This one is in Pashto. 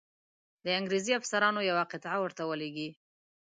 د انګرېزي افسرانو یوه قطعه ورته ولیږي.